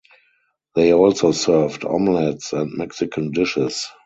They also served omelettes and Mexican dishes.